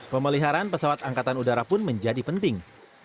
pemeliharaan pesawat angkatan udara pun menjadi penting